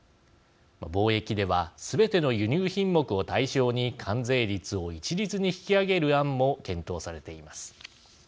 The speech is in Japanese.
貿易では、すべての輸入品目を対象に関税率を一律に引き上げる案も検討されています。